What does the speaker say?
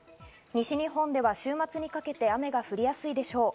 西日本では週末にかけて雨が降りやすいでしょう。